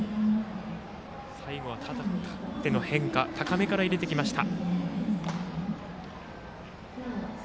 最後は縦の変化高めから入れてきました。